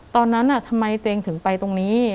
ตอนนั้นน่ะทำไมเตงถึงไปตรงนี้